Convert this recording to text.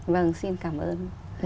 vâng xin cảm ơn